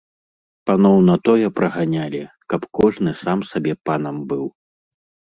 Паноў на тое праганялі, каб кожны сам сабе панам быў.